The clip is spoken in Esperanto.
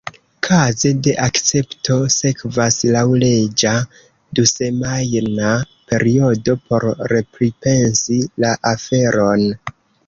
Kaze de akcepto sekvas laŭleĝa dusemajna periodo por repripensi la aferon.